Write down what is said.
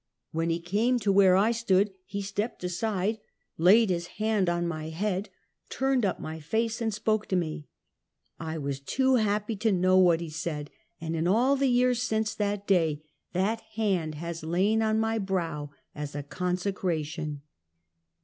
When he came to where I stood, he stepped aside, laid his hand on my head, turned up my face and spoke to me. I was too happy to know what he said, and in all the years since that day, that hand has lain on my brow as a consecration.